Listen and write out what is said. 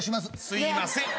すいません。